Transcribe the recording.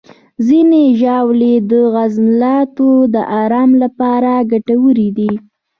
ځینې ژاولې د عضلاتو د آرام لپاره ګټورې دي.